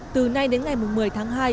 từ nay đến ngày một mươi tháng hai